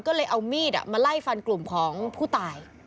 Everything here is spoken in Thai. ก็เลยเอามีดมาไล่ฟันกลุ่มของผู้ตาย